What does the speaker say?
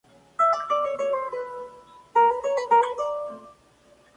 Herbert Read